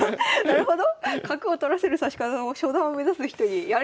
なるほど。